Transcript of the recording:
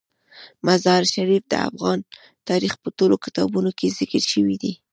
مزارشریف د افغان تاریخ په ټولو کتابونو کې ذکر شوی دی.